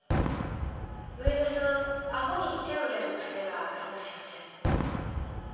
上田さんアゴに手をやる癖がありますよね。